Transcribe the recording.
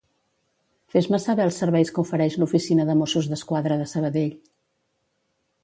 Fes-me saber els serveis que ofereix l'oficina de Mossos d'Esquadra de Sabadell.